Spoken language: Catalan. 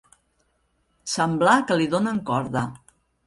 Semblar que li donen corda.